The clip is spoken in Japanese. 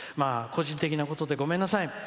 個人的なことでごめんなさい。